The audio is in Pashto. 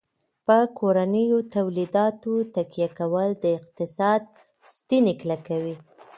په کورنیو تولیداتو تکیه کول د اقتصاد ستنې کلکوي.